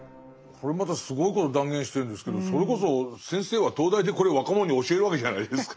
これまたすごいこと断言してるんですけどそれこそ先生は東大でこれ若者に教えるわけじゃないですか。